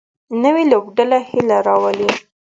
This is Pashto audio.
نوې لوبډله هیله راولي